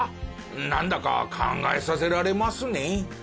なんだか考えさせられますね。